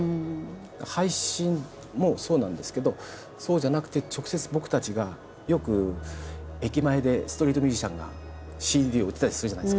配信もそうなんですけどそうじゃなくて直接僕たちがよく駅前でストリートミュージシャンがＣＤを売ってたりするじゃないですか。